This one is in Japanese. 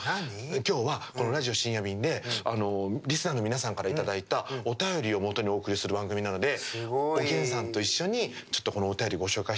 今日はこのラジオ深夜便でリスナーの皆さんからいただいたお便りをもとにお送りする番組なのでおげんさんと一緒にこのお便りご紹介したいと思うんですけど。